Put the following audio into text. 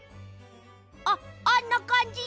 あっあんなかんじ！